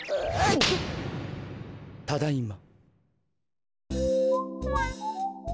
ただいま。